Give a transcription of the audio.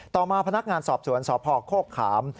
ต่อมาพนักงานสอบสวนสพโคกขาม